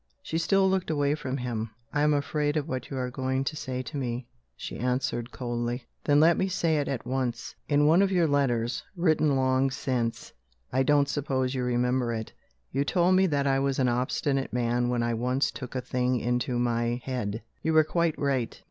She still looked away from him. "I am afraid of what you are going to say to me," she answered coldly. "Then let me say it at once. In one of your letters, written long since I don't suppose you remember it you told me that I was an obstinate man when I once took a thing into my head. You were quite right.